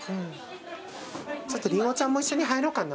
ちょっとりんごちゃんも一緒に入ろうかな。